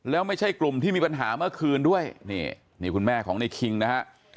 แล้วไม่ใช่กลุ่มที่มีปัญหาเมื่อคืนด้วยนี่นี่คุณแม่ของในคิงนะฮะ